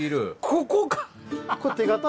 ここか！